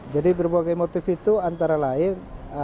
jadi berbagai motif itu antara lain